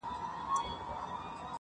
غل نارې وهي چي غل دی غوغا ګډه ده په کلي-